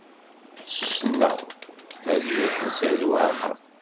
Ssneɣ tadyalt n Saɛid Waɛmaṛ.